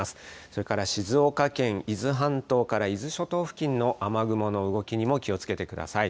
それから静岡県、伊豆半島から伊豆諸島付近の雨雲の動きにも気をつけてください。